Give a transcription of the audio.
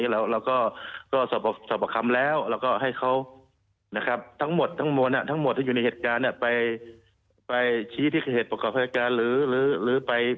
เราก็สอบประคำแล้วแล้วก็ให้เขานะครับทั้งหมดทั้งมวลทั้งหมดที่อยู่ในเหตุการณ์ไปชี้ที่เหตุประกอบพยานหรือไป